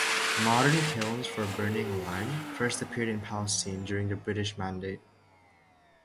Modern kilns for burning lime first appeared in Palestine during the British Mandate.